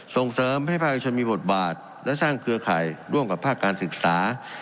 ส่งเสริมให้ภาคเอกชนมีบทบาทและสร้างเครือข่ายร่วมกับภาคการศึกษา